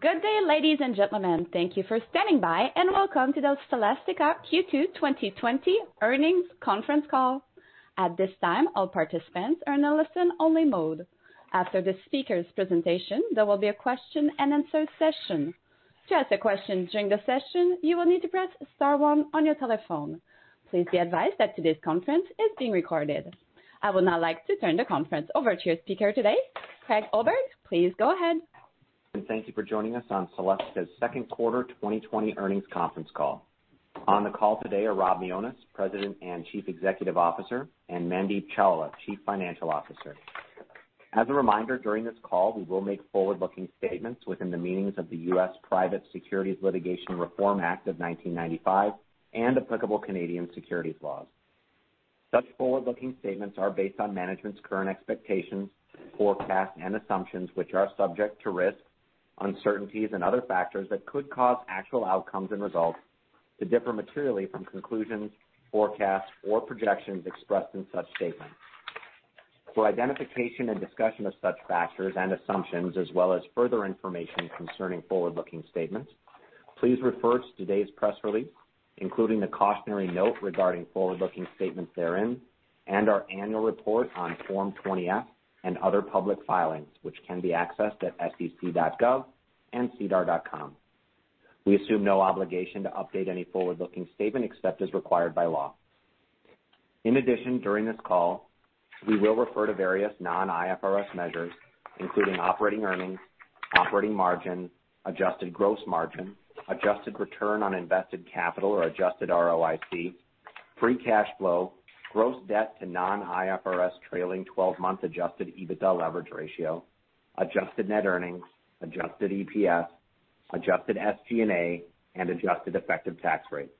Good day, ladies and gentlemen. Thank you for standing by, and welcome to the Celestica Q2 2020 earnings conference call. At this time, all participants are in a listen-only mode. After the speakers' presentation, there will be a question and answer session. To ask a question during the session, you will need to press star one on your telephone. Please be advised that today's conference is being recorded. I would now like to turn the conference over to your speaker today, Craig Oberg. Please go ahead. Thank you for joining us on Celestica's second quarter 2020 earnings conference call. On the call today are Rob Mionis, President and Chief Executive Officer, and Mandeep Chawla, Chief Financial Officer. As a reminder, during this call, we will make forward-looking statements within the meanings of the US Private Securities Litigation Reform Act of 1995 and applicable Canadian securities laws. Such forward-looking statements are based on management's current expectations, forecasts, and assumptions, which are subject to risks, uncertainties, and other factors that could cause actual outcomes and results to differ materially from conclusions, forecasts, or projections expressed in such statements. For identification and discussion of such factors and assumptions, as well as further information concerning forward-looking statements, please refer to today's press release, including the cautionary note regarding forward-looking statements therein, and our annual report on Form 20-F and other public filings, which can be accessed at sec.gov and sedar.com. We assume no obligation to update any forward-looking statement except as required by law. In addition, during this call, we will refer to various non-IFRS measures, including operating earnings, operating margin, adjusted gross margin, adjusted return on invested capital or adjusted ROIC, free cash flow, gross debt to non-IFRS trailing 12-month adjusted EBITDA leverage ratio, adjusted net earnings, adjusted EPS, adjusted SG&A, and adjusted effective tax rate.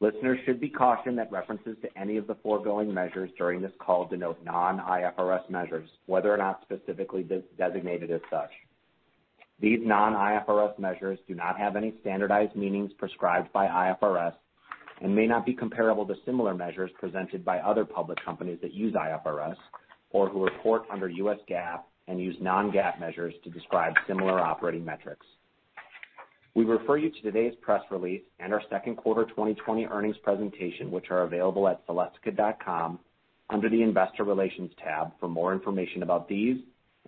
Listeners should be cautioned that references to any of the foregoing measures during this call denote non-IFRS measures, whether or not specifically designated as such. These non-IFRS measures do not have any standardized meanings prescribed by IFRS and may not be comparable to similar measures presented by other public companies that use IFRS or who report under US GAAP and use non-GAAP measures to describe similar operating metrics. We refer you to today's press release and our second quarter 2020 earnings presentation, which are available at celestica.com under the investor relations tab for more information about these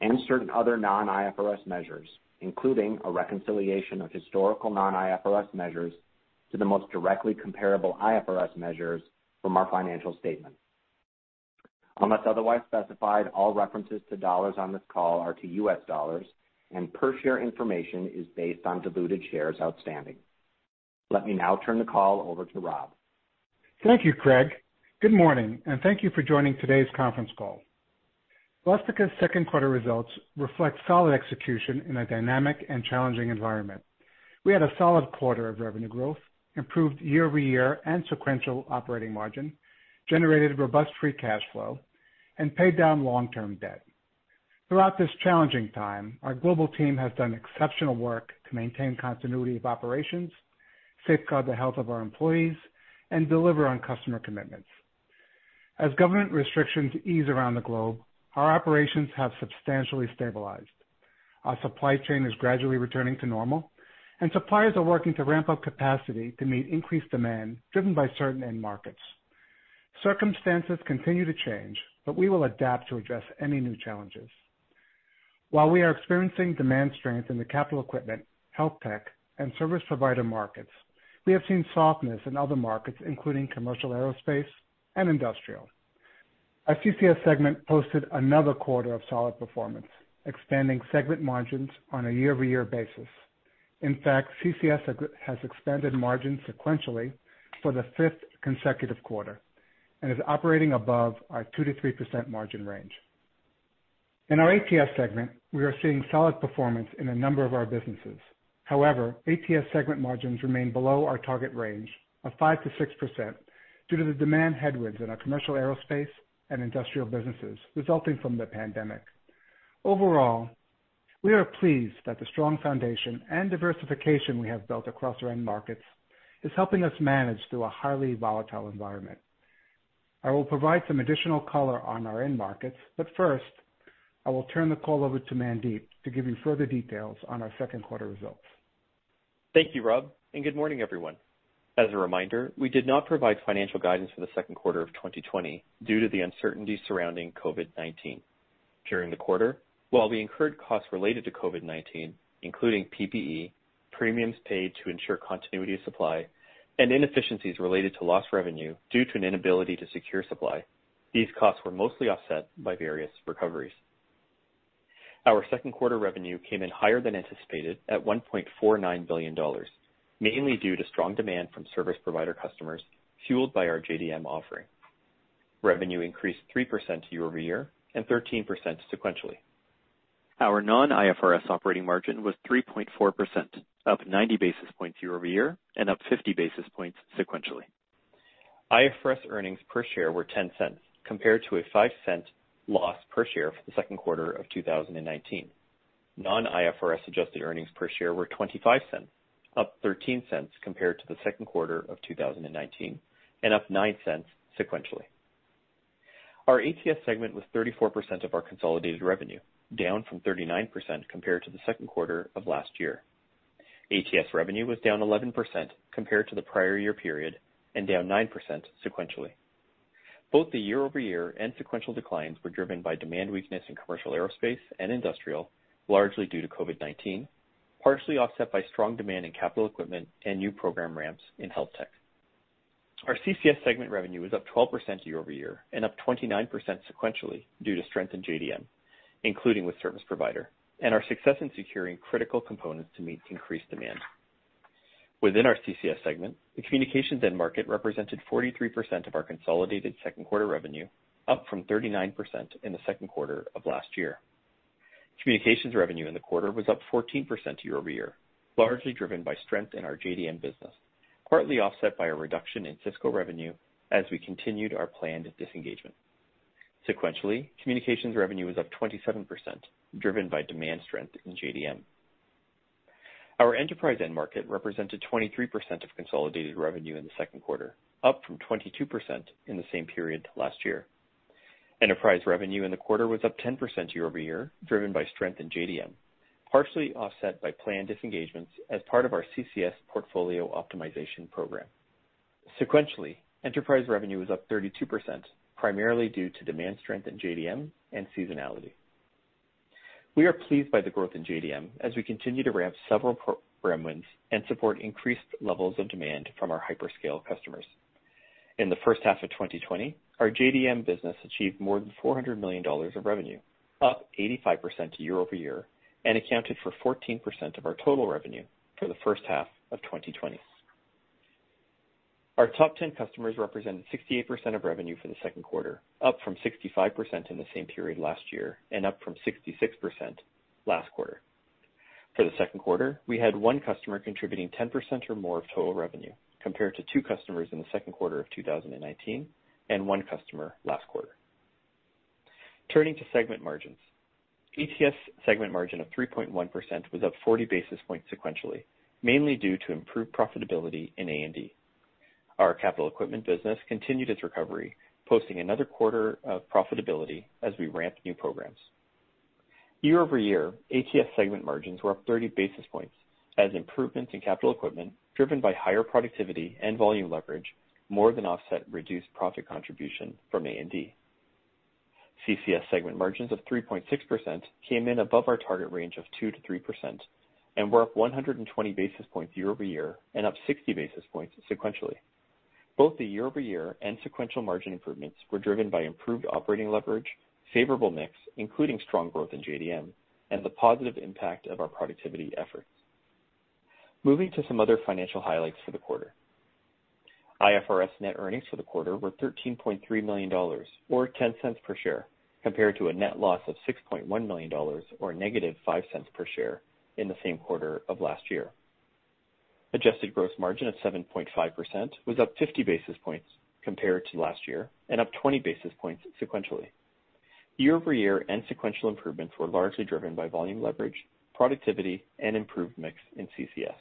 and certain other non-IFRS measures, including a reconciliation of historical non-IFRS measures to the most directly comparable IFRS measures from our financial statement. Unless otherwise specified, all references to dollars on this call are to US dollars, and per-share information is based on diluted shares outstanding. Let me now turn the call over to Rob. Thank you, Craig. Good morning, and thank you for joining today's conference call. Celestica's second quarter results reflect solid execution in a dynamic and challenging environment. We had a solid quarter of revenue growth, improved year-over-year and sequential operating margin, generated robust free cash flow, and paid down long-term debt. Throughout this challenging time, our global team has done exceptional work to maintain continuity of operations, safeguard the health of our employees, and deliver on customer commitments. As government restrictions ease around the globe, our operations have substantially stabilized. Our supply chain is gradually returning to normal, and suppliers are working to ramp up capacity to meet increased demand driven by certain end markets. Circumstances continue to change, but we will adapt to address any new challenges. While we are experiencing demand strength in the capital equipment, health tech, and service provider markets, we have seen softness in other markets, including commercial aerospace and industrial. Our CCS segment posted another quarter of solid performance, expanding segment margins on a year-over-year basis. In fact, CCS has expanded margins sequentially for the fifth consecutive quarter and is operating above our 2%-3% margin range. In our ATS segment, we are seeing solid performance in a number of our businesses. ATS segment margins remain below our target range of 5%-6% due to the demand headwinds in our commercial aerospace and industrial businesses resulting from the pandemic. We are pleased that the strong foundation and diversification we have built across our end markets is helping us manage through a highly volatile environment. I will provide some additional color on our end markets. First, I will turn the call over to Mandeep to give you further details on our second quarter results. Thank you, Rob, and good morning, everyone. As a reminder, we did not provide financial guidance for the second quarter of 2020 due to the uncertainty surrounding COVID-19. During the quarter, while we incurred costs related to COVID-19, including PPE, premiums paid to ensure continuity of supply, and inefficiencies related to lost revenue due to an inability to secure supply, these costs were mostly offset by various recoveries. Our second quarter revenue came in higher than anticipated at $1.49 billion, mainly due to strong demand from service provider customers fueled by our JDM offering. Revenue increased 3% year over year and 13% sequentially. Our non-IFRS operating margin was 3.4%, up 90 basis points year over year and up 50 basis points sequentially. IFRS earnings per share were $0.10 compared to a $0.05 loss per share for the second quarter of 2019. Non-IFRS adjusted earnings per share were $0.25, up $0.13 compared to the second quarter of 2019 and up $0.09 sequentially. Our ATS segment was 34% of our consolidated revenue, down from 39% compared to the second quarter of last year. ATS revenue was down 11% compared to the prior year period and down 9% sequentially. Both the year-over-year and sequential declines were driven by demand weakness in commercial aerospace and industrial, largely due to COVID-19, partially offset by strong demand in capital equipment and new program ramps in Health Tech. Our CCS segment revenue was up 12% year-over-year and up 29% sequentially due to strength in JDM, including with Service Provider, and our success in securing critical components to meet increased demand. Within our CCS segment, the Communications End Market represented 43% of our consolidated second quarter revenue, up from 39% in the second quarter of last year. Communications revenue in the quarter was up 14% year-over-year, largely driven by strength in our JDM business, partly offset by a reduction in Cisco revenue as we continued our planned disengagement. Sequentially, communications revenue was up 27%, driven by demand strength in JDM. Our enterprise end market represented 23% of consolidated revenue in the second quarter, up from 22% in the same period last year. Enterprise revenue in the quarter was up 10% year-over-year, driven by strength in JDM, partially offset by planned disengagements as part of our CCS portfolio optimization program. Sequentially, enterprise revenue was up 32%, primarily due to demand strength in JDM and seasonality. We are pleased by the growth in JDM as we continue to ramp several program wins and support increased levels of demand from our hyperscale customers. In the first half of 2020, our JDM business achieved more than $400 million of revenue, up 85% year-over-year, and accounted for 14% of our total revenue for the first half of 2020. Our top 10 customers represented 68% of revenue for the second quarter, up from 65% in the same period last year, and up from 66% last quarter. For the second quarter, we had one customer contributing 10% or more of total revenue, compared to two customers in the second quarter of 2019 and one customer last quarter. Turning to segment margins. ATS segment margin of 3.1% was up 40 basis points sequentially, mainly due to improved profitability in A&D. Our capital equipment business continued its recovery, posting another quarter of profitability as we ramp new programs. Year-over-year, ATS segment margins were up 30 basis points as improvements in capital equipment, driven by higher productivity and volume leverage, more than offset reduced profit contribution from A&D. CCS segment margins of 3.6% came in above our target range of 2%-3% and were up 120 basis points year-over-year and up 60 basis points sequentially. Both the year-over-year and sequential margin improvements were driven by improved operating leverage, favorable mix, including strong growth in JDM, and the positive impact of our productivity efforts. Moving to some other financial highlights for the quarter. IFRS net earnings for the quarter were $13.3 million, or $0.10 per share, compared to a net loss of $6.1 million, or negative $0.05 per share in the same quarter of last year. Adjusted gross margin of 7.5% was up 50 basis points compared to last year and up 20 basis points sequentially. Year-over-year and sequential improvements were largely driven by volume leverage, productivity, and improved mix in CCS.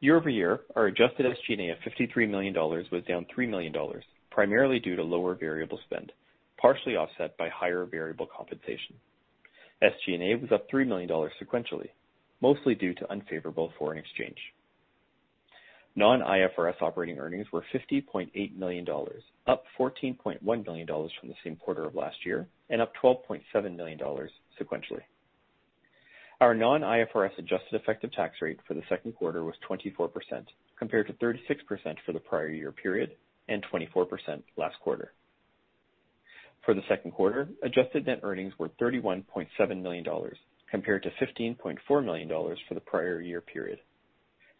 Year-over-year, our adjusted SG&A of $53 million was down $3 million, primarily due to lower variable spend, partially offset by higher variable compensation. SG&A was up $3 million sequentially, mostly due to unfavorable foreign exchange. Non-IFRS operating earnings were $50.8 million, up $14.1 million from the same quarter of last year, and up $12.7 million sequentially. Our non-IFRS adjusted effective tax rate for the second quarter was 24%, compared to 36% for the prior year period and 24% last quarter. For the second quarter, adjusted net earnings were $31.7 million, compared to $15.4 million for the prior year period.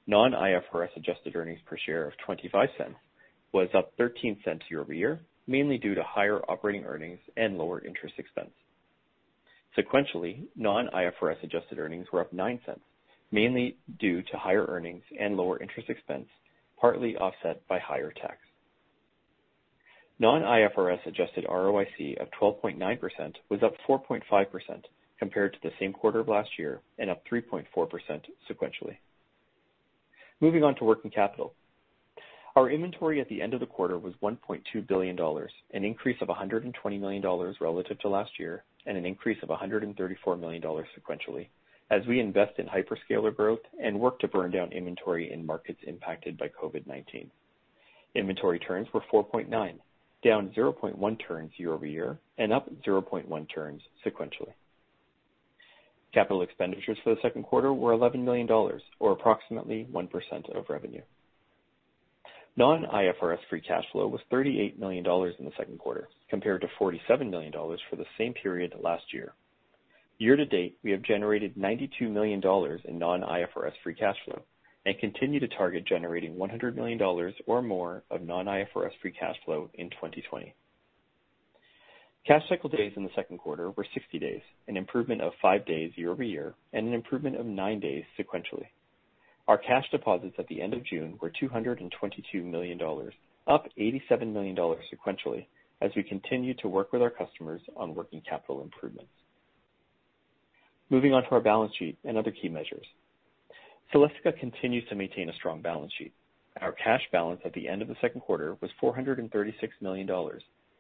Non-IFRS adjusted earnings per share of $0.25 was up $0.13 year-over-year, mainly due to higher operating earnings and lower interest expense. Sequentially, non-IFRS adjusted earnings were up $0.09, mainly due to higher earnings and lower interest expense, partly offset by higher tax. Non-IFRS adjusted ROIC of 12.9% was up 4.5% compared to the same quarter of last year and up 3.4% sequentially. Moving on to working capital. Our inventory at the end of the quarter was $1.2 billion, an increase of $120 million relative to last year, and an increase of $134 million sequentially, as we invest in hyperscaler growth and work to burn down inventory in markets impacted by COVID-19. Inventory turns were 4.9, down 0.1 turns year-over-year and up 0.1 turns sequentially. Capital expenditures for the second quarter were $11 million, or approximately 1% of revenue. Non-IFRS free cash flow was $38 million in the second quarter, compared to $47 million for the same period last year. Year to date, we have generated $92 million in non-IFRS free cash flow and continue to target generating $100 million or more of non-IFRS free cash flow in 2020. Cash cycle days in the second quarter were 60 days, an improvement of five days year-over-year and an improvement of nine days sequentially. Our cash deposits at the end of June were $222 million, up $87 million sequentially as we continue to work with our customers on working capital improvements. Moving on to our balance sheet and other key measures. Celestica continues to maintain a strong balance sheet. Our cash balance at the end of the second quarter was $436 million,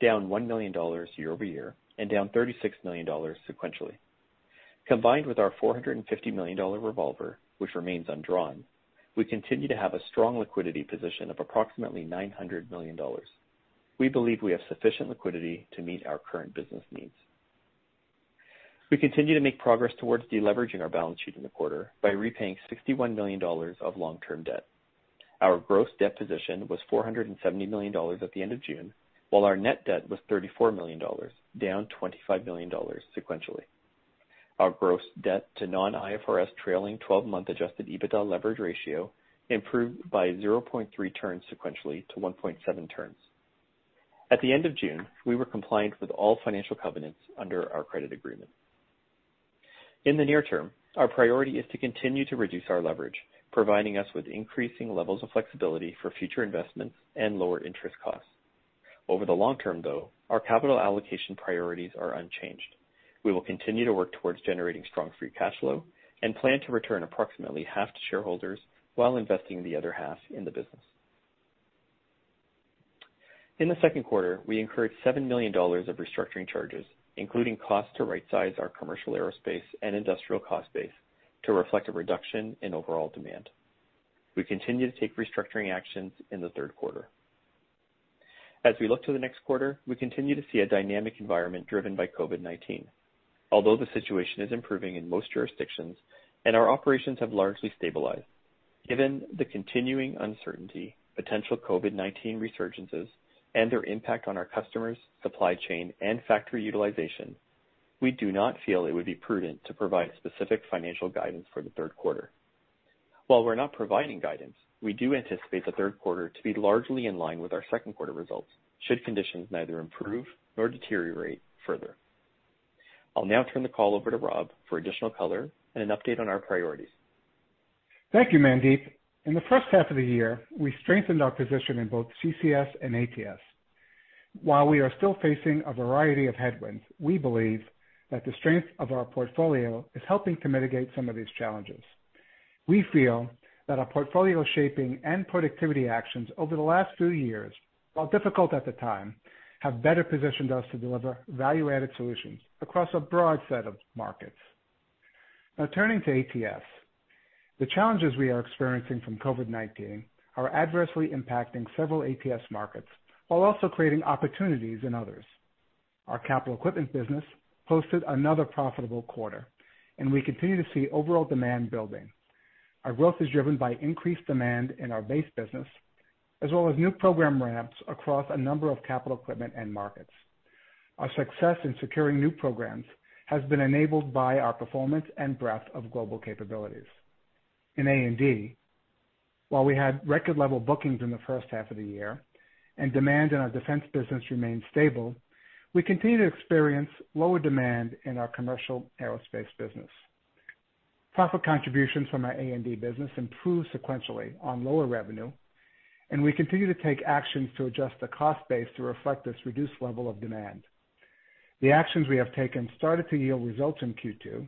down $1 million year-over-year, and down $36 million sequentially. Combined with our $450 million revolver, which remains undrawn, we continue to have a strong liquidity position of approximately $900 million. We believe we have sufficient liquidity to meet our current business needs. We continue to make progress towards de-leveraging our balance sheet in the quarter by repaying $61 million of long-term debt. Our gross debt position was $470 million at the end of June, while our net debt was $34 million, down $25 million sequentially. Our gross debt to non-IFRS trailing 12-month adjusted EBITDA leverage ratio improved by 0.3 turns sequentially to 1.7 turns. At the end of June, we were compliant with all financial covenants under our credit agreement. In the near term, our priority is to continue to reduce our leverage, providing us with increasing levels of flexibility for future investments and lower interest costs. Over the long term, though, our capital allocation priorities are unchanged. We will continue to work towards generating strong free cash flow and plan to return approximately half to shareholders while investing the other half in the business. In the second quarter, we incurred $7 million of restructuring charges, including costs to rightsize our commercial aerospace and industrial cost base to reflect a reduction in overall demand. We continue to take restructuring actions in the third quarter. As we look to the next quarter, we continue to see a dynamic environment driven by COVID-19. Although the situation is improving in most jurisdictions and our operations have largely stabilized, given the continuing uncertainty, potential COVID-19 resurgences, and their impact on our customers, supply chain, and factory utilization, we do not feel it would be prudent to provide specific financial guidance for the third quarter. While we're not providing guidance, we do anticipate the third quarter to be largely in line with our second quarter results should conditions neither improve nor deteriorate further. I'll now turn the call over to Rob for additional color and an update on our priorities. Thank you, Mandeep. In the first half of the year, we strengthened our position in both CCS and ATS. While we are still facing a variety of headwinds, we believe that the strength of our portfolio is helping to mitigate some of these challenges. We feel that our portfolio shaping and productivity actions over the last few years, while difficult at the time, have better positioned us to deliver value-added solutions across a broad set of markets. Now turning to ATS. The challenges we are experiencing from COVID-19 are adversely impacting several ATS markets while also creating opportunities in others. Our capital equipment business posted another profitable quarter, and we continue to see overall demand building. Our growth is driven by increased demand in our base business as well as new program ramps across a number of capital equipment end markets. Our success in securing new programs has been enabled by our performance and breadth of global capabilities. In A&D, while we had record level bookings in the first half of the year and demand in our defense business remained stable, we continue to experience lower demand in our commercial aerospace business. Profit contributions from our A&D business improved sequentially on lower revenue. We continue to take actions to adjust the cost base to reflect this reduced level of demand. The actions we have taken started to yield results in Q2.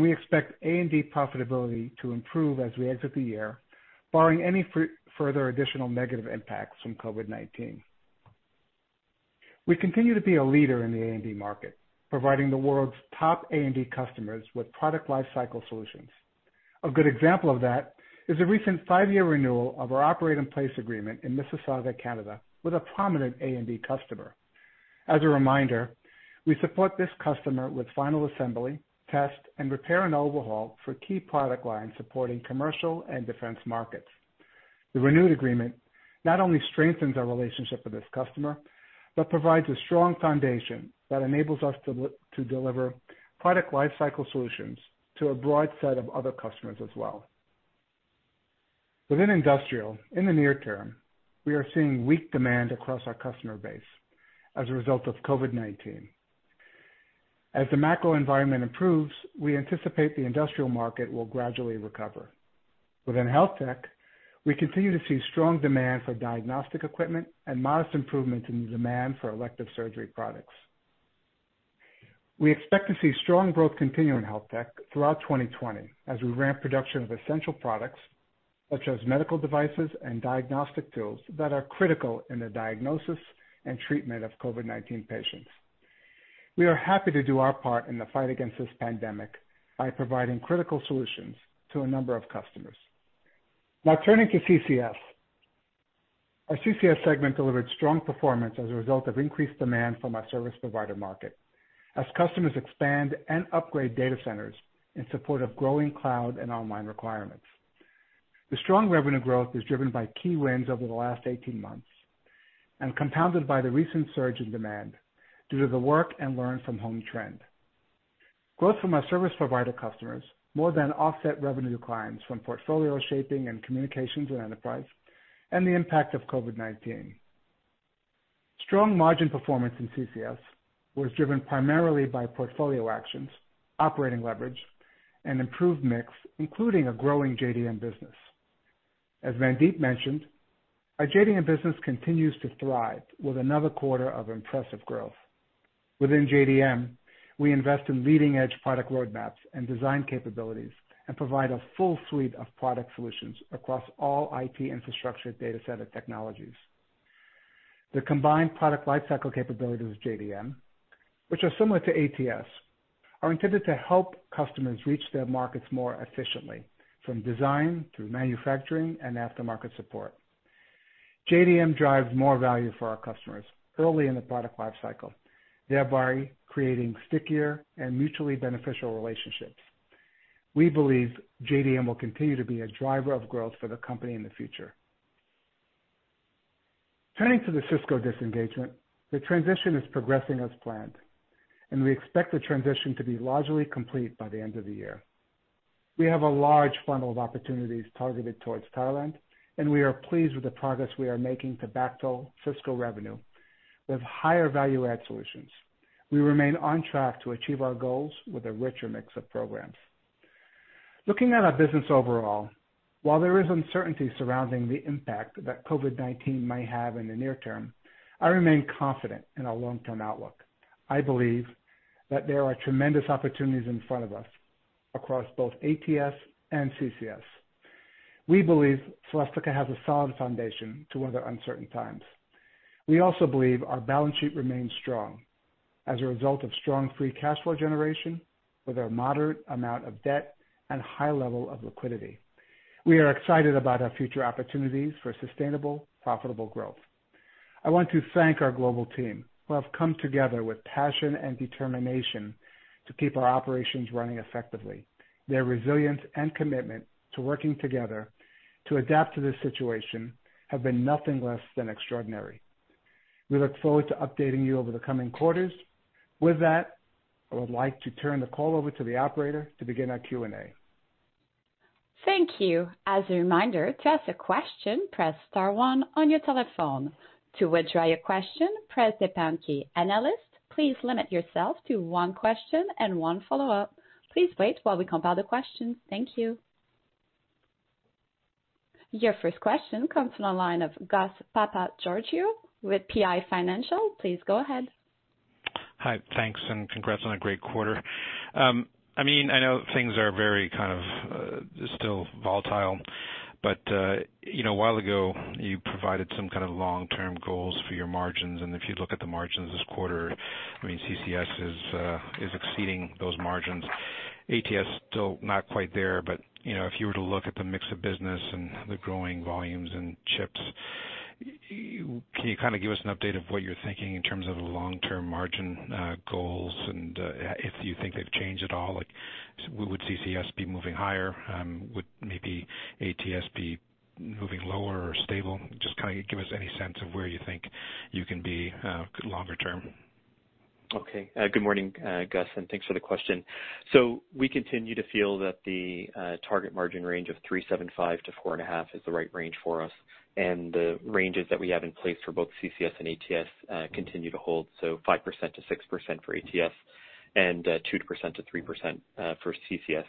We expect A&D profitability to improve as we exit the year, barring any further additional negative impacts from COVID-19. We continue to be a leader in the A&D market, providing the world's top A&D customers with product lifecycle solutions. A good example of that is the recent five-year renewal of our Operate-In-Place agreement in Mississauga, Canada, with a prominent A&D customer. As a reminder, we support this customer with final assembly, test, and repair and overhaul for key product lines supporting commercial and defense markets. The renewed agreement not only strengthens our relationship with this customer, but provides a strong foundation that enables us to deliver product lifecycle solutions to a broad set of other customers as well. Within industrial, in the near term, we are seeing weak demand across our customer base as a result of COVID-19. As the macro environment improves, we anticipate the industrial market will gradually recover. Within health tech, we continue to see strong demand for diagnostic equipment and modest improvement in the demand for elective surgery products. We expect to see strong growth continue in health tech throughout 2020 as we ramp production of essential products such as medical devices and diagnostic tools that are critical in the diagnosis and treatment of COVID-19 patients. We are happy to do our part in the fight against this pandemic by providing critical solutions to a number of customers. Turning to CCS. Our CCS segment delivered strong performance as a result of increased demand from our service provider market as customers expand and upgrade data centers in support of growing cloud and online requirements. The strong revenue growth is driven by key wins over the last 18 months and compounded by the recent surge in demand due to the work and learn from home trend. Growth from our service provider customers more than offset revenue declines from portfolio shaping and communications and enterprise and the impact of COVID-19. Strong margin performance in CCS was driven primarily by portfolio actions, operating leverage, and improved mix, including a growing JDM business. As Mandeep mentioned, our JDM business continues to thrive with another quarter of impressive growth. Within JDM, we invest in leading-edge product roadmaps and design capabilities and provide a full suite of product solutions across all IT infrastructure data center technologies. The combined product lifecycle capability with JDM, which are similar to ATS, are intended to help customers reach their markets more efficiently, from design through manufacturing and aftermarket support. JDM drives more value for our customers early in the product lifecycle, thereby creating stickier and mutually beneficial relationships. We believe JDM will continue to be a driver of growth for the company in the future. Turning to the Cisco disengagement, the transition is progressing as planned. We expect the transition to be largely complete by the end of the year. We have a large funnel of opportunities targeted towards Thailand. We are pleased with the progress we are making to backfill Cisco revenue with higher value-add solutions. We remain on track to achieve our goals with a richer mix of programs. Looking at our business overall, while there is uncertainty surrounding the impact that COVID-19 may have in the near term, I remain confident in our long-term outlook. I believe that there are tremendous opportunities in front of us across both ATS and CCS. We believe Celestica has a solid foundation to weather uncertain times. We also believe our balance sheet remains strong as a result of strong free cash flow generation with our moderate amount of debt and high level of liquidity. We are excited about our future opportunities for sustainable, profitable growth. I want to thank our global team, who have come together with passion and determination to keep our operations running effectively. Their resilience and commitment to working together to adapt to this situation have been nothing less than extraordinary. We look forward to updating you over the coming quarters. With that, I would like to turn the call over to the operator to begin our Q&A. Thank you. As a reminder, to ask a question, press star one on your telephone. To withdraw your question, press the pound key. Analysts, please limit yourself to one question and one follow-up. Please wait while we compile the questions. Thank you. Your first question comes from the line of Gus Papageorgiou with PI Financial. Please go ahead. Hi. Thanks, congrats on a great quarter. I know things are very still volatile. A while ago, you provided some kind of long-term goals for your margins. If you look at the margins this quarter, CCS is exceeding those margins. ATS, still not quite there. If you were to look at the mix of business and the growing volumes in chips, can you give us an update of what you're thinking in terms of long-term margin goals and if you think they've changed at all? Would CCS be moving higher? Would maybe ATS be moving lower or stable? Just give us any sense of where you think you can be longer term. Good morning, Gus, and thanks for the question. We continue to feel that the target margin range of 3.75%-4.5% is the right range for us. The ranges that we have in place for both CCS and ATS continue to hold, 5%-6% for ATS and 2%-3% for CCS.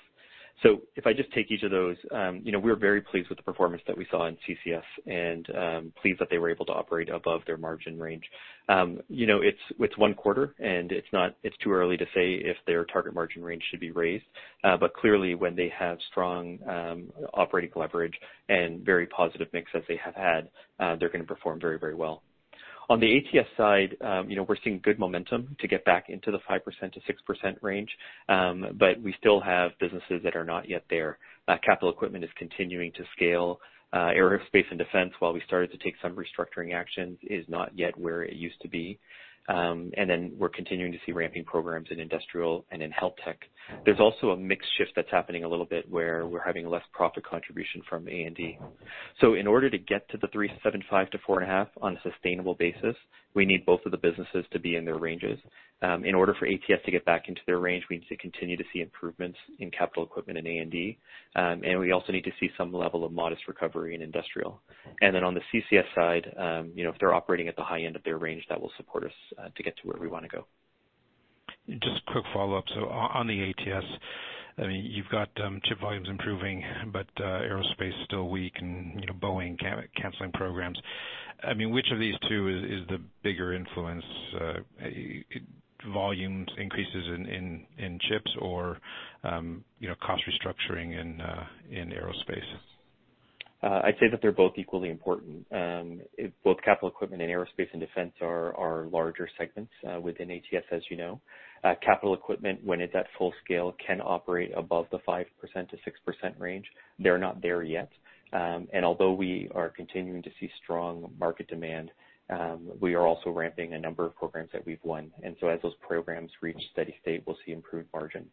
If I just take each of those, we're very pleased with the performance that we saw in CCS and pleased that they were able to operate above their margin range. It's one quarter, and it's too early to say if their target margin range should be raised. Clearly, when they have strong operating leverage and very positive mix as they have had, they're going to perform very well. On the ATS side, we're seeing good momentum to get back into the 5%-6% range. We still have businesses that are not yet there. Capital equipment is continuing to scale. Aerospace and Defense, while we started to take some restructuring actions, is not yet where it used to be. We're continuing to see ramping programs in Industrial and in Health Tech. There's also a mix shift that's happening a little bit where we're having less profit contribution from A&D. In order to get to the 3.75-4.5 on a sustainable basis, we need both of the businesses to be in their ranges. In order for ATS to get back into their range, we need to continue to see improvements in capital equipment and A&D, and we also need to see some level of modest recovery in Industrial. On the CCS side, if they're operating at the high end of their range, that will support us to get to where we want to go. Just a quick follow-up. On the ATS, you've got chip volumes improving, but aerospace is still weak and Boeing canceling programs. Which of these two is the bigger influence, volumes increases in chips or cost restructuring in aerospace? I'd say that they're both equally important. Both capital equipment and Aerospace and Defense are larger segments within ATS, as you know. Capital equipment, when it's at full scale, can operate above the 5%-6% range. They're not there yet. Although we are continuing to see strong market demand, we are also ramping a number of programs that we've won. As those programs reach steady state, we'll see improved margin.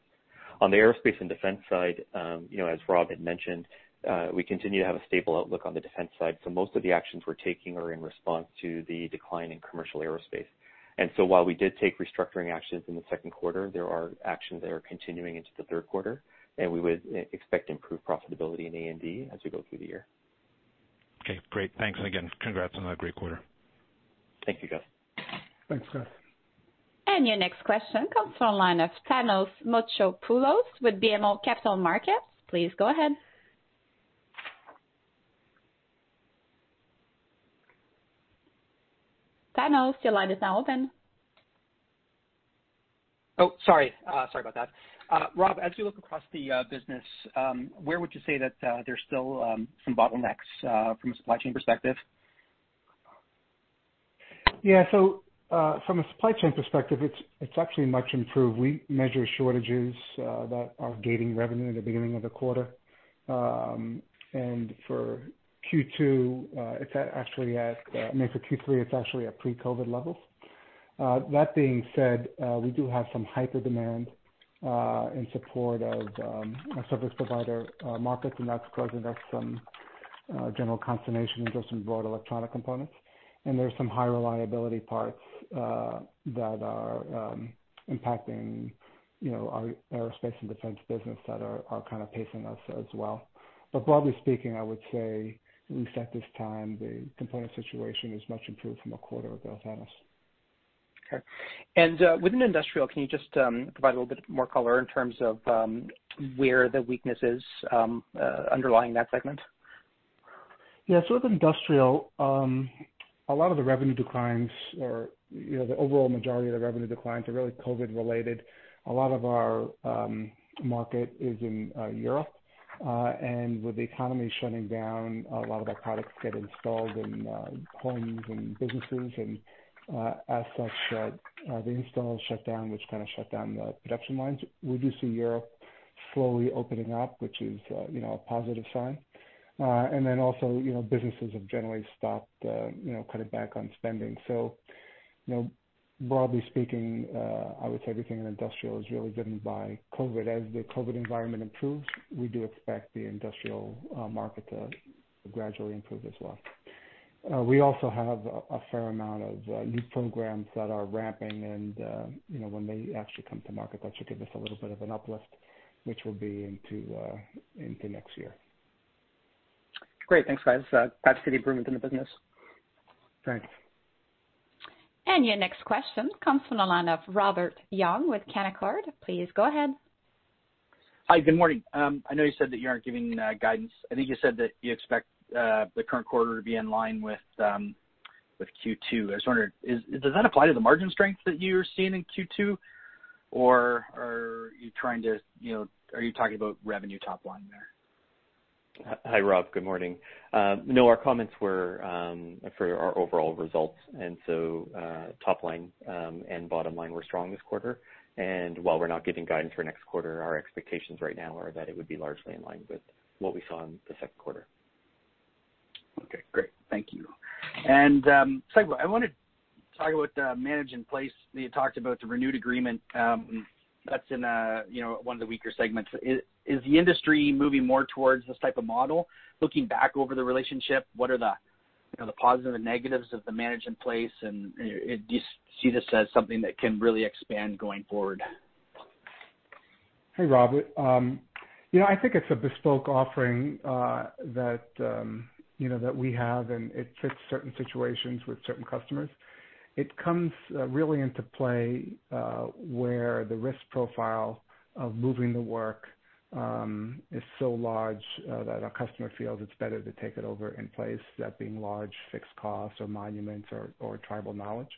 On the Aerospace and Defense side, as Rob had mentioned, we continue to have a stable outlook on the defense side. Most of the actions we're taking are in response to the decline in commercial aerospace. While we did take restructuring actions in the second quarter, there are actions that are continuing into the third quarter, and we would expect improved profitability in A&D as we go through the year. Okay, great. Thanks. Again, congrats on that great quarter. Thank you, Gus. Thanks, Gus. Your next question comes from the line of Thanos Moschopoulos with BMO Capital Markets. Please go ahead. Thanos, your line is now open. Sorry about that. Rob, as we look across the business, where would you say that there's still some bottlenecks from a supply chain perspective? From a supply chain perspective, it's actually much improved. We measure shortages that are gating revenue at the beginning of the quarter. For Q2, it's actually at. No, for Q3, it's actually at pre-COVID-19 levels. That being said, we do have some hyper demand, in support of our service provider markets, and that's causing us some general consternation in just some broad electronic components. There's some high reliability parts that are impacting our Aerospace and Defense business that are kind of pacing us as well. Broadly speaking, I would say, at least at this time, the component situation is much improved from a quarter ago, Thanos. Okay. Within industrial, can you just provide a little bit more color in terms of where the weakness is underlying that segment? With industrial, a lot of the revenue declines, or the overall majority of the revenue declines are really COVID related. A lot of our market is in Europe. With the economy shutting down, a lot of our products get installed in homes and businesses. As such, the installs shut down, which kind of shut down the production lines. We do see Europe slowly opening up, which is a positive sign. Also, businesses have generally stopped cutting back on spending. Broadly speaking, I would say everything in industrial is really driven by COVID. As the COVID environment improves, we do expect the industrial market to gradually improve as well. We also have a fair amount of new programs that are ramping, and when they actually come to market, that should give us a little bit of an uplift, which will be into next year. Great. Thanks, guys. Glad to see the improvement in the business. Thanks. Your next question comes from the line of Robert Young with Canaccord. Please go ahead. Hi. Good morning. I know you said that you aren't giving guidance. I think you said that you expect the current quarter to be in line with Q2. I was wondering, does that apply to the margin strength that you're seeing in Q2, or are you talking about revenue top line there? Hi, Rob. Good morning. Our comments were for our overall results. Top line and bottom line were strong this quarter. While we're not giving guidance for next quarter, our expectations right now are that it would be largely in line with what we saw in the second quarter. Okay, great. Thank you. Segue, I want to talk about manage in place. You had talked about the renewed agreement that's in one of the weaker segments. Is the industry moving more towards this type of model? Looking back over the relationship, what are the positives and negatives of the manage in place, and do you see this as something that can really expand going forward? Hey, Robert. I think it's a bespoke offering that we have, and it fits certain situations with certain customers. It comes really into play, where the risk profile of moving the work is so large that a customer feels it's better to take it over in place, that being large fixed costs or monuments or tribal knowledge.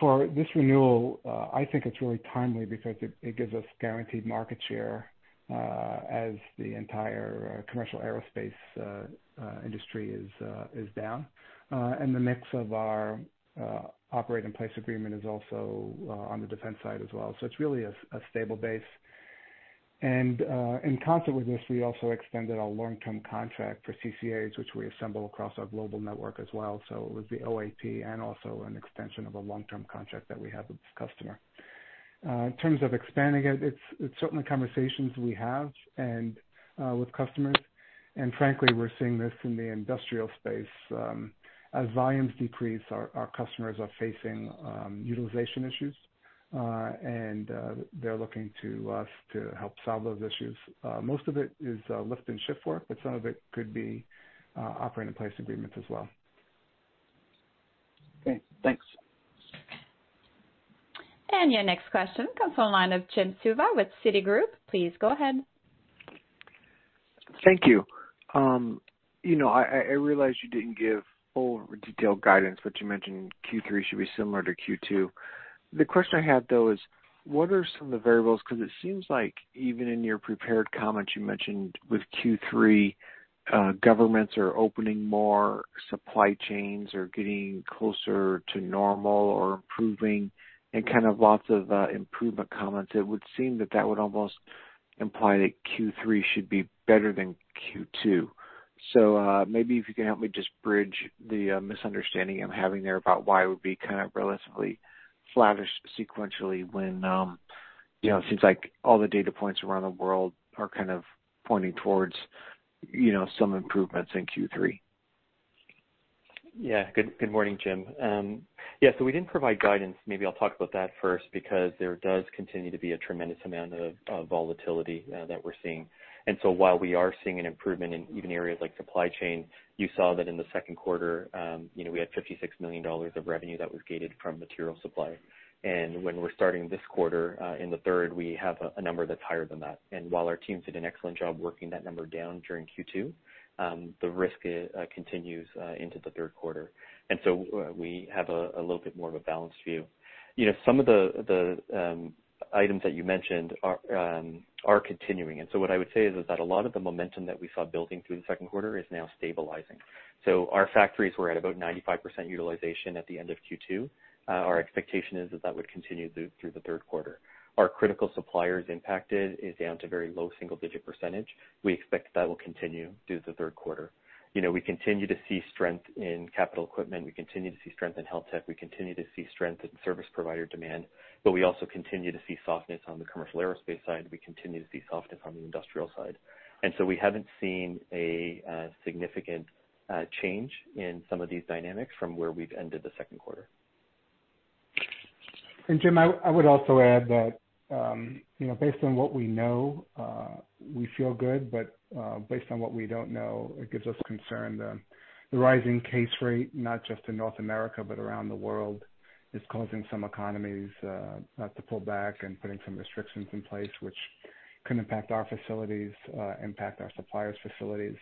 For this renewal, I think it's really timely because it gives us guaranteed market share, as the entire commercial aerospace industry is down. The mix of our operate-in-place agreement is also on the defense side as well. It's really a stable base. In concert with this, we also extended our long-term contract for CCAs, which we assemble across our global network as well. It was the OIP and also an extension of a long-term contract that we have with this customer. In terms of expanding it's certainly conversations we have and with customers, and frankly, we're seeing this in the industrial space. As volumes decrease, our customers are facing utilization issues. They're looking to us to help solve those issues. Most of it is lift and shift work, but some of it could be Operate-In-Place agreements as well. Okay, thanks. Your next question comes from the line of Jim Suva with Citigroup. Please go ahead. Thank you. I realize you didn't give full detailed guidance, but you mentioned Q3 should be similar to Q2. The question I had though is, what are some of the variables, because it seems like even in your prepared comments, you mentioned with Q3, governments are opening more, supply chains are getting closer to normal or improving, and kind of lots of improvement comments. It would seem that that would almost imply that Q3 should be better than Q2. Maybe if you could help me just bridge the misunderstanding I'm having there about why it would be kind of relatively flattish sequentially when it seems like all the data points around the world are kind of pointing towards some improvements in Q3. Good morning, Jim. We didn't provide guidance. Maybe I'll talk about that first, because there does continue to be a tremendous amount of volatility that we're seeing. While we are seeing an improvement in even areas like supply chain, you saw that in the second quarter, we had $56 million of revenue that was gated from material supply. When we're starting this quarter, in the third, we have a number that's higher than that. While our teams did an excellent job working that number down during Q2, the risk continues into the third quarter. We have a little bit more of a balanced view. Some of the items that you mentioned are continuing, and so what I would say is that a lot of the momentum that we saw building through the second quarter is now stabilizing. Our factories were at about 95% utilization at the end of Q2. Our expectation is that that would continue through the third quarter. Our critical suppliers impacted is down to very low single-digit percentage. We expect that will continue through the third quarter. We continue to see strength in capital equipment, we continue to see strength in health tech, we continue to see strength in service provider demand, but we also continue to see softness on the commercial aerospace side. We continue to see softness on the industrial side. We haven't seen a significant change in some of these dynamics from where we've ended the second quarter. Jim, I would also add that based on what we know, we feel good, but based on what we don't know, it gives us concern. The rising case rate, not just in North America, but around the world, is causing some economies to pull back and putting some restrictions in place, which can impact our facilities, impact our suppliers' facilities.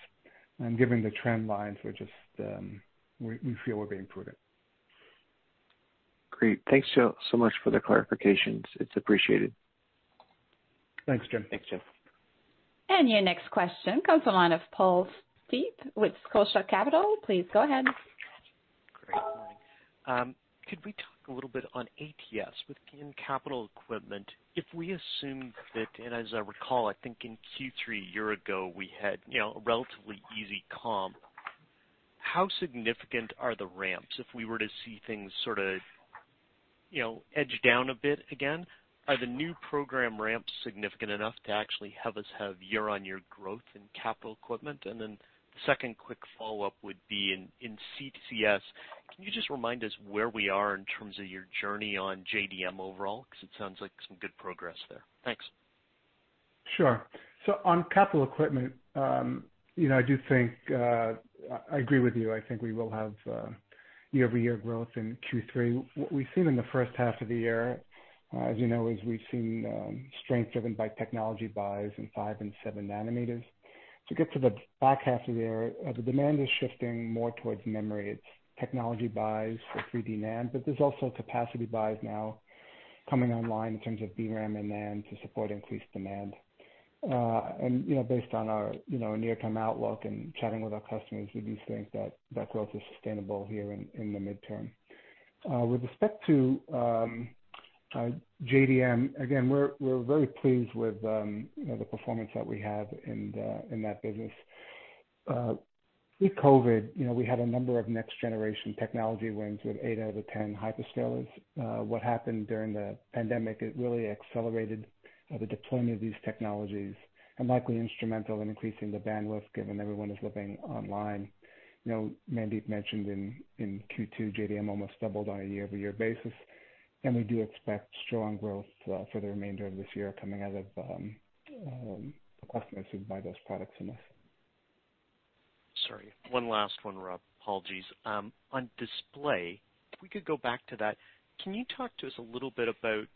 Given the trend lines, we feel we're being prudent. Great. Thanks so much for the clarifications. It's appreciated. Thanks, Jim. Thanks, Jim. Your next question comes the line of Paul Steep with Scotia Capital. Please go ahead. Great. Could we talk a little bit on ATS within capital equipment? If we assume that, and as I recall, I think in Q3 a year ago, we had a relatively easy comp, how significant are the ramps if we were to see things sort of edge down a bit again? Are the new program ramps significant enough to actually have us have year-on-year growth in capital equipment? The second quick follow-up would be in CCS, can you just remind us where we are in terms of your journey on JDM overall, because it sounds like some good progress there. Thanks. Sure. On capital equipment, I agree with you. I think we will have year-over-year growth in Q3. What we've seen in the first half of the year, as you know, is we've seen strength driven by technology buys in 5nm and 7 nm. To get to the back half of the year, the demand is shifting more towards memory. It's technology buys for 3D NAND, but there's also capacity buys now coming online in terms of DRAM and NAND to support increased demand. Based on our near-term outlook and chatting with our customers, we do think that that growth is sustainable here in the midterm. With respect to JDM, again, we're very pleased with the performance that we have in that business. Pre-COVID-19, we had a number of next-generation technology wins with eight out of 10 hyperscalers. What happened during the pandemic, it really accelerated the deployment of these technologies and likely instrumental in increasing the bandwidth, given everyone is living online. Mandeep mentioned in Q2, JDM almost doubled on a year-over-year basis, and we do expect strong growth for the remainder of this year coming out of customers who buy those products from us. Sorry. One last one, Rob. Apologies. On display, if we could go back to that, can you talk to us a little bit about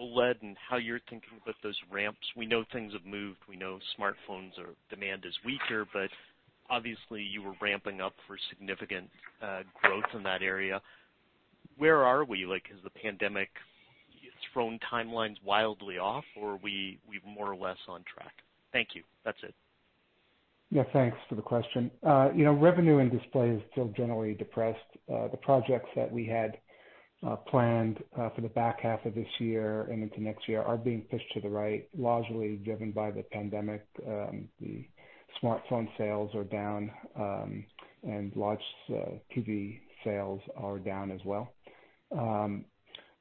OLED and how you're thinking about those ramps? We know things have moved, we know smartphones demand is weaker, obviously you were ramping up for significant growth in that area. Where are we? Has the pandemic thrown timelines wildly off, or are we more or less on track? Thank you. That's it. Yeah, thanks for the question. Revenue in display is still generally depressed. The projects that we had planned for the back half of this year and into next year are being pushed to the right, largely driven by the pandemic. The smartphone sales are down, and large TV sales are down as well.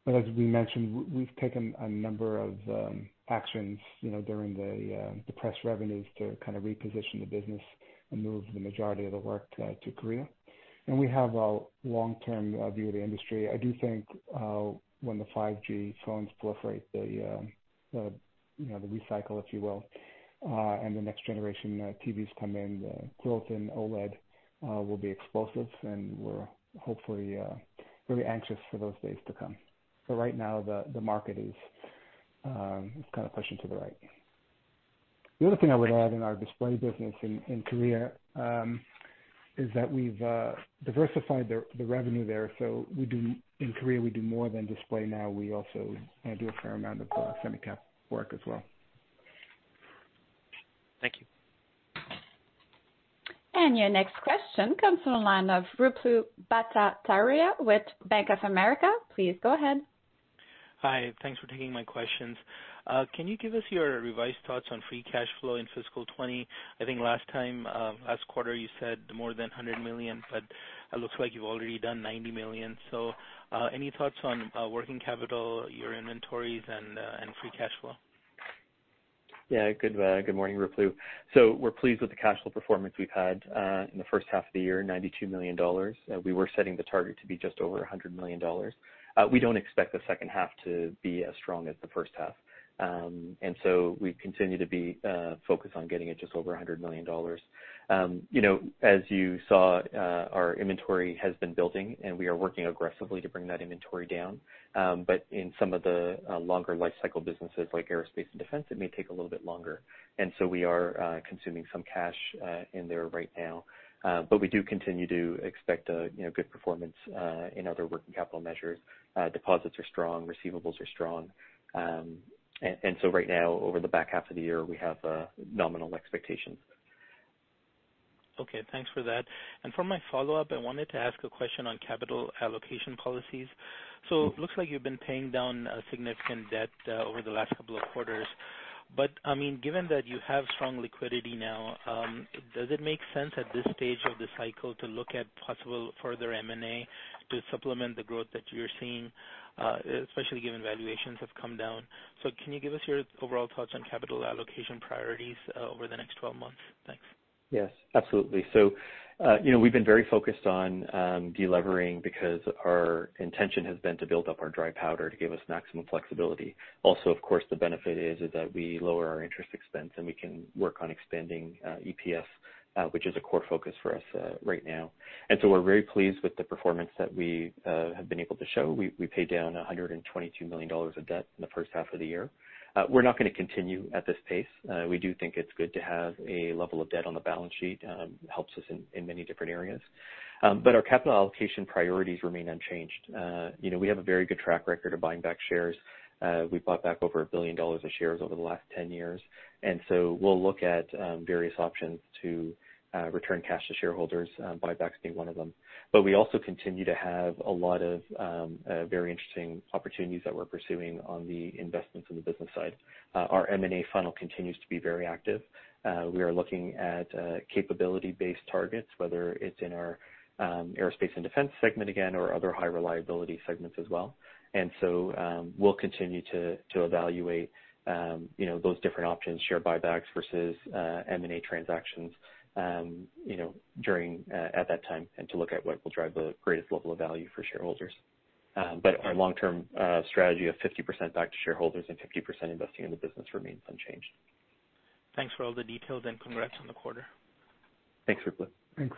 As we mentioned, we've taken a number of actions during the depressed revenues to kind of reposition the business and move the majority of the work to Korea. We have a long-term view of the industry. I do think when the 5G phones proliferate, the recycle, if you will, and the next generation TVs come in, the growth in OLED will be explosive, and we're hopefully really anxious for those days to come. Right now, the market is kind of pushing to the right. The other thing I would add in our display business in Korea, is that we've diversified the revenue there. In Korea, we do more than display now. We also do a fair amount of semi-cap work as well. Thank you. Your next question comes from the line of Ruplu Bhattacharya with Bank of America. Please go ahead. Hi. Thanks for taking my questions. Can you give us your revised thoughts on free cash flow in fiscal 2020? I think last time, last quarter, you said more than $100 million, but it looks like you've already done $90 million. Any thoughts on working capital, your inventories, and free cash flow? Good morning, Ruplu. We're pleased with the cash flow performance we've had in the first half of the year, $92 million. We were setting the target to be just over $100 million. We don't expect the second half to be as strong as the first half. We continue to be focused on getting it just over $100 million. As you saw, our inventory has been building, and we are working aggressively to bring that inventory down. In some of the longer lifecycle businesses like Aerospace and Defense, it may take a little bit longer. We are consuming some cash in there right now. We do continue to expect good performance in other working capital measures. Deposits are strong, receivables are strong. Right now, over the back half of the year, we have nominal expectations. Okay. Thanks for that. For my follow-up, I wanted to ask a question on capital allocation policies. It looks like you've been paying down significant debt over the last couple of quarters. Given that you have strong liquidity now, does it make sense at this stage of the cycle to look at possible further M&A to supplement the growth that you're seeing, especially given valuations have come down? Can you give us your overall thoughts on capital allocation priorities over the next 12 months? Thanks. Yes, absolutely. We've been very focused on de-levering because our intention has been to build up our dry powder to give us maximum flexibility. Of course, the benefit is that we lower our interest expense, and we can work on expanding EPS, which is a core focus for us right now. We're very pleased with the performance that we have been able to show. We paid down $122 million of debt in the first half of the year. We're not going to continue at this pace. We do think it's good to have a level of debt on the balance sheet. It helps us in many different areas. Our capital allocation priorities remain unchanged. We have a very good track record of buying back shares. We bought back over $1 billion of shares over the last 10 years, we'll look at various options to return cash to shareholders, buybacks being one of them. We also continue to have a lot of very interesting opportunities that we're pursuing on the investments in the business side. Our M&A funnel continues to be very active. We are looking at capability-based targets, whether it's in our Aerospace and Defense segment again, or other high-reliability segments as well. We'll continue to evaluate those different options, share buybacks versus M&A transactions at that time, and to look at what will drive the greatest level of value for shareholders. Our long-term strategy of 50% back to shareholders and 50% investing in the business remains unchanged. Thanks for all the details, and congrats on the quarter. Thanks, Ruplu. Thanks.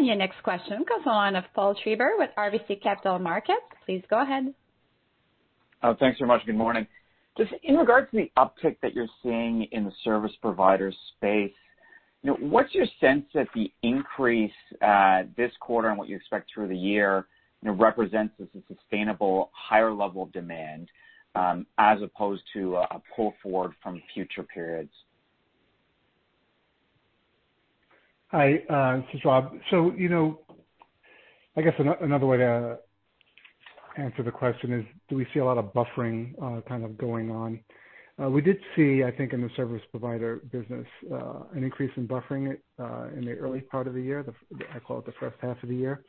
Your next question comes from Paul Treiber with RBC Capital Markets. Please go ahead. Thanks very much. Good morning. Just in regards to the uptick that you're seeing in the service provider space, what's your sense that the increase this quarter and what you expect through the year represents a sustainable higher level of demand as opposed to a pull forward from future periods? Hi, this is Rob. I guess another way to answer the question is, do we see a lot of buffering kind of going on? We did see, I think, in the service provider business, an increase in buffering in the early part of the year, I call it the first half of the year.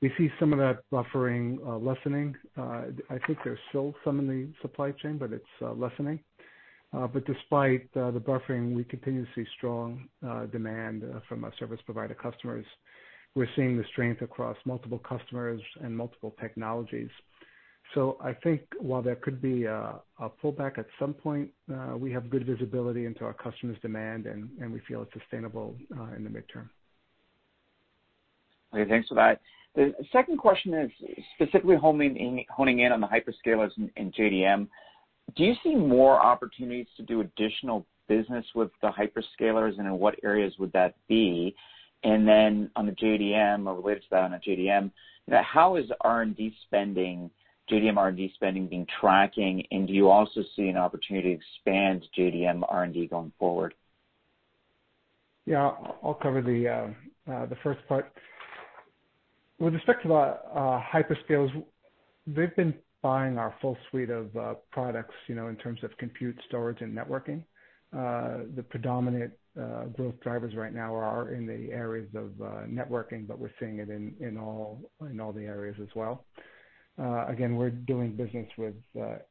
We see some of that buffering lessening. I think there's still some in the supply chain, but it's lessening. Despite the buffering, we continue to see strong demand from our service provider customers. We're seeing the strength across multiple customers and multiple technologies. I think while there could be a pullback at some point, we have good visibility into our customers' demand, and we feel it's sustainable in the midterm. Okay, thanks for that. The second question is specifically honing in on the hyperscalers in JDM. Do you see more opportunities to do additional business with the hyperscalers, and in what areas would that be? On the JDM or with that on a JDM, how is JDM R&D spending being tracking, and do you also see an opportunity to expand JDM R&D going forward? Yeah, I'll cover the first part. With respect to the hyperscalers, they've been buying our full suite of products in terms of compute, storage, and networking. The predominant growth drivers right now are in the areas of networking, but we're seeing it in all the areas as well. Again, we're doing business with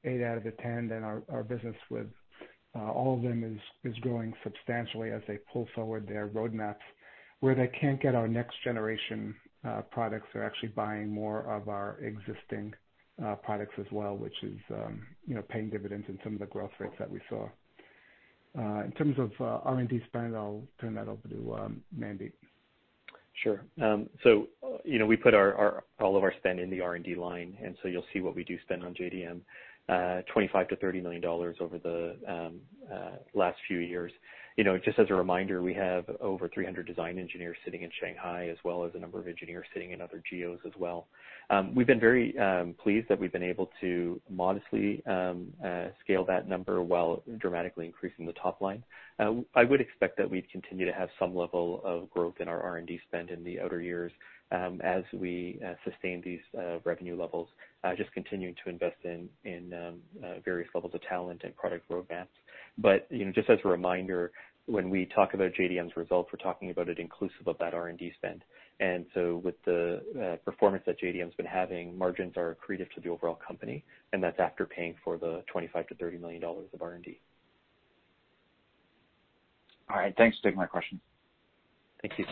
eight out of the 10, and our business with all of them is growing substantially as they pull forward their roadmaps. Where they can't get our next generation products, they're actually buying more of our existing products as well, which is paying dividends in some of the growth rates that we saw. In terms of R&D spend, I'll turn that over to Mandeep. Sure. We put all of our spend in the R&D line, and so you'll see what we do spend on JDM, $25 million-$30 million over the last few years. Just as a reminder, we have over 300 design engineers sitting in Shanghai, as well as a number of engineers sitting in other geos as well. We've been very pleased that we've been able to modestly scale that number while dramatically increasing the top line. I would expect that we'd continue to have some level of growth in our R&D spend in the outer years as we sustain these revenue levels, just continuing to invest in various levels of talent and product roadmaps. Just as a reminder, when we talk about JDM's results, we're talking about it inclusive of that R&D spend. With the performance that JDM's been having, margins are accretive to the overall company, and that's after paying for the $25 million-$30 million of R&D. All right. Thanks for taking my question. Thank you.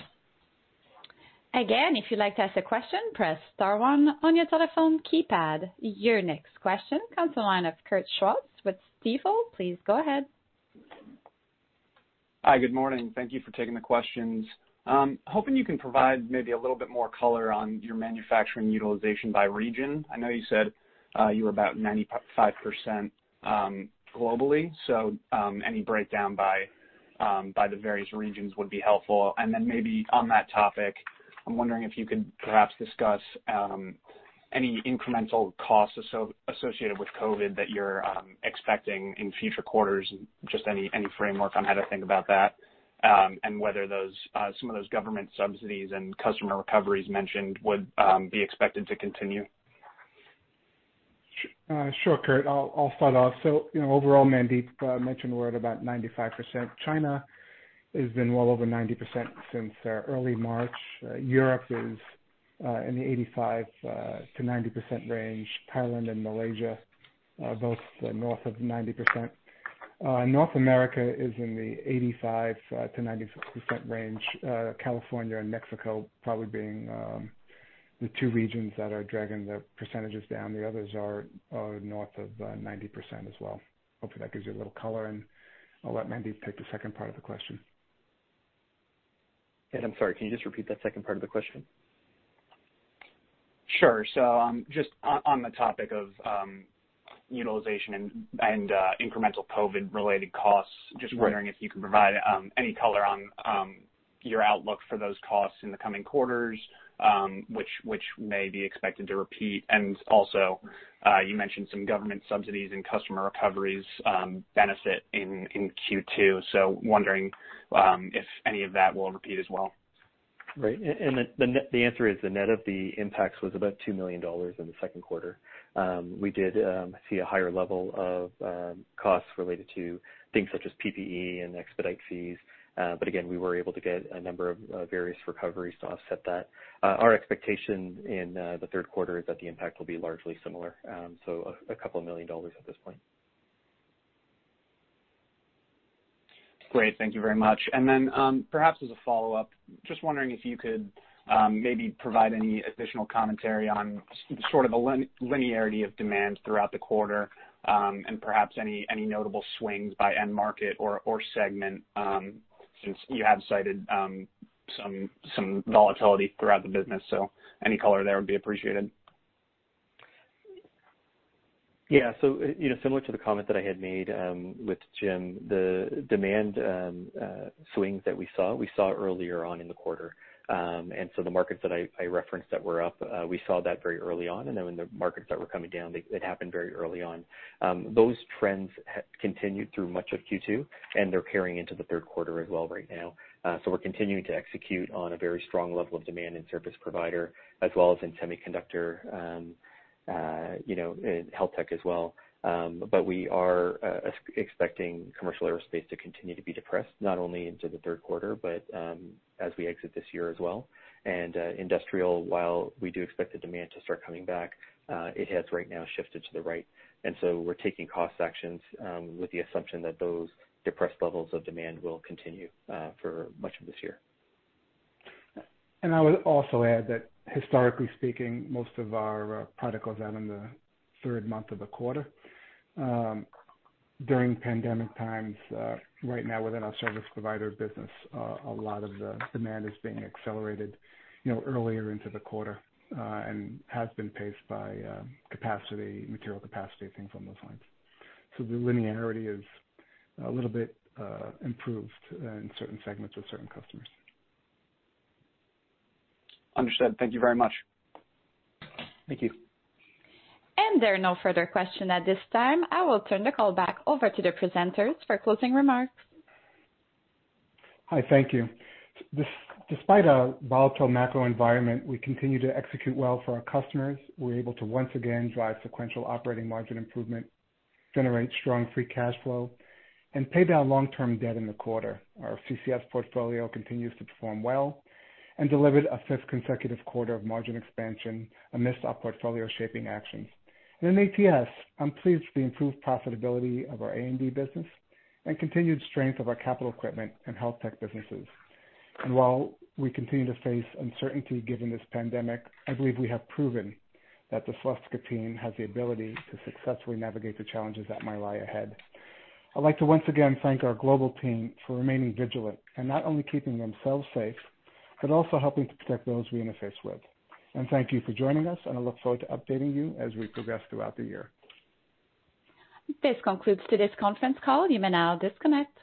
Again, if you'd like to ask a question, press star one on your telephone keypad. Your next question comes from the line of Kurt Swartz with Stifel. Please go ahead. Hi. Good morning. Thank you for taking the questions. Hoping you can provide maybe a little bit more color on your manufacturing utilization by region. I know you said you were about 95% globally, any breakdown by the various regions would be helpful. Maybe on that topic, I'm wondering if you could perhaps discuss any incremental costs associated with COVID that you're expecting in future quarters, and just any framework on how to think about that, and whether some of those government subsidies and customer recoveries mentioned would be expected to continue. Sure, Kurt. I'll start off. Overall, Mandeep mentioned we're at about 95%. China has been well over 90% since early March. Europe is in the 85%-90% range. Thailand and Malaysia, both north of 90%. North America is in the 85%-90% range. California and Mexico probably being the two regions that are dragging the percentages down. The others are north of 90% as well. Hopefully, that gives you a little color, and I'll let Mandeep take the second part of the question. I'm sorry, can you just repeat that second part of the question? Sure. Just on the topic of utilization and incremental COVID-related costs, just wondering if you can provide any color on your outlook for those costs in the coming quarters, which may be expected to repeat. You mentioned some government subsidies and customer recoveries benefit in Q2. Wondering if any of that will repeat as well? Right. The answer is the net of the impacts was about $2 million in the second quarter. We did see a higher level of costs related to things such as PPE and expedite fees. Again, we were able to get a number of various recoveries to offset that. Our expectation in the third quarter is that the impact will be largely similar, so a couple of million dollars at this point. Great. Thank you very much. Then perhaps as a follow-up, just wondering if you could maybe provide any additional commentary on sort of a linearity of demand throughout the quarter, and perhaps any notable swings by end market or segment, since you have cited some volatility throughout the business. Any color there would be appreciated. Similar to the comment that I had made with Jim, the demand swings that we saw, we saw earlier on in the quarter. The markets that I referenced that were up, we saw that very early on. When the markets that were coming down, it happened very early on. Those trends continued through much of Q2, and they're carrying into the third quarter as well right now. We're continuing to execute on a very strong level of demand in service provider as well as in semiconductor and health tech as well. We are expecting commercial aerospace to continue to be depressed, not only into the third quarter, but as we exit this year as well. Industrial, while we do expect the demand to start coming back, it has right now shifted to the right. We're taking cost actions with the assumption that those depressed levels of demand will continue for much of this year. I would also add that historically speaking, most of our product goes out in the third month of the quarter. During pandemic times, right now within our service provider business, a lot of the demand is being accelerated earlier into the quarter, and has been paced by capacity, material capacity, things on those lines. The linearity is a little bit improved in certain segments with certain customers. Understood. Thank you very much. Thank you. There are no further question at this time. I will turn the call back over to the presenters for closing remarks. Hi, thank you. Despite a volatile macro environment, we continue to execute well for our customers. We're able to once again drive sequential operating margin improvement, generate strong free cash flow, and pay down long-term debt in the quarter. Our CCS portfolio continues to perform well and delivered a fifth consecutive quarter of margin expansion amidst our portfolio shaping actions. In ATS, I'm pleased with the improved profitability of our A&D business and continued strength of our capital equipment and health tech businesses. While we continue to face uncertainty given this pandemic, I believe we have proven that the Celestica team has the ability to successfully navigate the challenges that might lie ahead. I'd like to once again thank our global team for remaining vigilant in not only keeping themselves safe, but also helping to protect those we interface with. Thank you for joining us, and I look forward to updating you as we progress throughout the year. This concludes today's conference call. You may now disconnect.